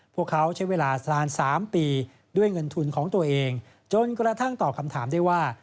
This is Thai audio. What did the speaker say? พวกเขาใช้เวลาประมาณ๓ปีด้วยเงินทุนของตัวเองจนกระทั่งตอบคำถามได้ว่า